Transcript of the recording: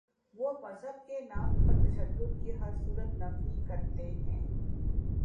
وہ مذہب کے نام پر تشدد کی ہر صورت نفی کرتے ہیں۔